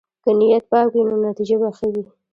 که نیت پاک وي، نو نتیجه به ښه وي.